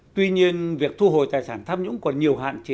tuy nhiên việc thu hồi tài sản tham nhũng còn nhiều hạn chế